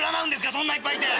そんないっぱいいて！